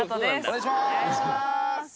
お願いします。